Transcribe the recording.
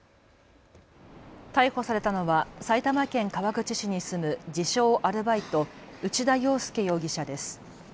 逮捕されたのは埼玉県川口市に住む自称アルバイト、内田洋輔容疑者です。